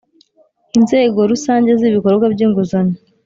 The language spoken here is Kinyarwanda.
Inzego rusange z ibikorwa by inguzanyo